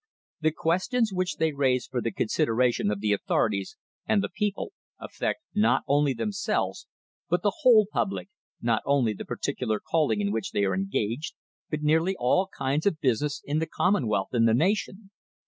The questions which they raise for the consideration of the authorities and the people affect not only themselves but the whole public, not only the particular calling in which they are engaged, but nearly all kinds of business in the commonwealth and the nation.